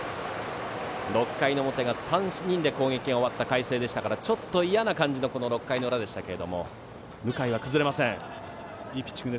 ６回表、３人で攻撃が終わった海星でしたから、ちょっと嫌な感じの６回の裏でしたが向井は崩れません。